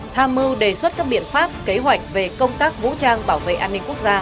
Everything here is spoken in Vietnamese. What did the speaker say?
tham mưu đề xuất các biện pháp kế hoạch về công tác vũ trang bảo vệ an ninh quốc gia